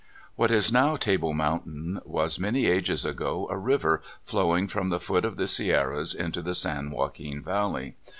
What is now Table Mountain was many ages ago a river flowing from the foot of the Sierras into the San Joaquin Valley.